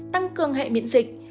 tăng cường hệ miễn dịch